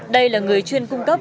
đây là người chuyên cung cấp